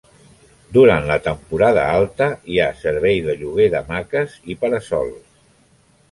Durant la temporada alta hi ha servei de lloguer d'hamaques i para-sols.